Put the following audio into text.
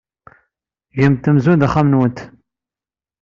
Gemt amzun d axxam-nwent.